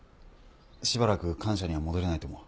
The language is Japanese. しばらく官舎には戻れないと思う。